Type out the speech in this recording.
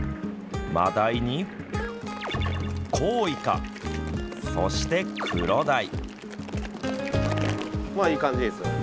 マダイにコウイカそしてクロダイ。